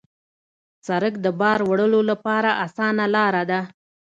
سړک د بار وړلو لپاره اسانه لاره ده.